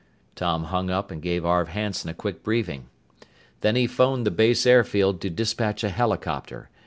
Tom hung up and gave Arv Hanson a quick briefing. Then he phoned the base airfield to dispatch a helicopter.